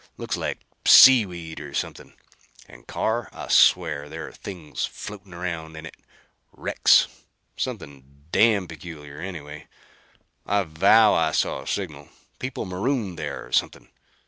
Looks like seaweed or something; and Carr, I swear there are things floating around in it. Wrecks. Something damn peculiar, anyway. I vow I saw a signal. People marooned there or something.